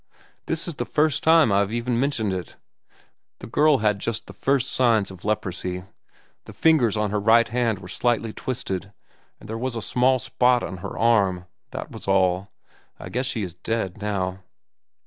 This is the first time I have even mentioned it. The girl had just the first signs of leprosy. The fingers of her right hand were slightly twisted, and there was a small spot on her arm. That was all. I guess she is dead, now."